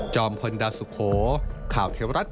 จอมพลดาสุโขข่าวเทวรัชน์